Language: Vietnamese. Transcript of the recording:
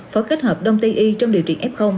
phối kết hợp đông tây y trong điều trị f